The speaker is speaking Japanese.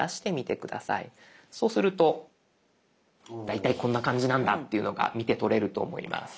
そうすると大体こんな感じなんだというのが見てとれると思います。